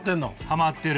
ハマってる！